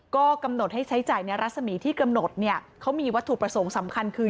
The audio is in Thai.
ก็กำหนดให้ใช้จ่ายในรัศมีที่กำหนดเนี่ยเขามีวัตถุประสงค์สำคัญคือ